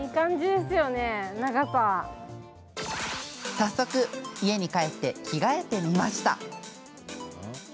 早速、家に帰って着替えてみました。